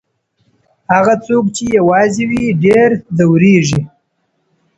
هغه څوک چي يوازې وي ډېر ځوريږي.